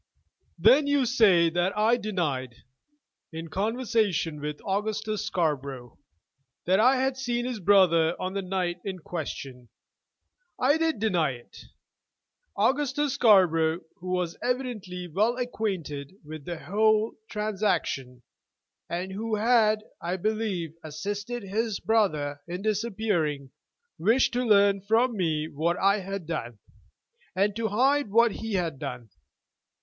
"Then you say that I denied, in conversation with Augustus Scarborough, that I had seen his brother on the night in question. I did deny it. Augustus Scarborough, who was evidently well acquainted with the whole transaction, and who had, I believe, assisted his brother in disappearing, wished to learn from me what I had done, and to hide what he had done.